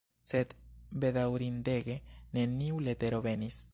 Sed, bedaŭrindege, neniu letero venis!